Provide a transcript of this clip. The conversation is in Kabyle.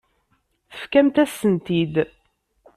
Tefkamt-asen-t-id.